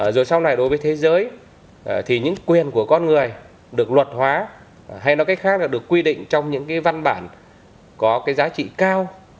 rồi sau này đối với thế giới thì những quyền của con người được luật hóa hay nói cách khác là được quy định trong những cái văn bản có cái giá trị cao